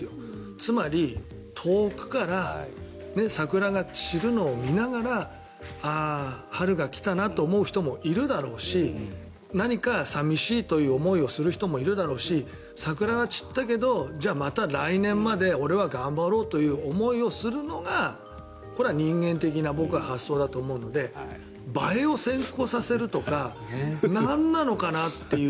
つまり、遠くから桜が散るのを見ながらああ、春が来たなと思う人もいるだろうし何か寂しいという思いをする人もいるだろうし桜は散ったけどじゃあまた来年まで、俺は頑張ろうという思いをするのがこれは人間的な発想だと僕は思うので映えを先行させるとか何なのかなっていう。